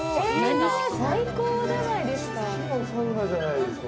◆最高じゃないですか。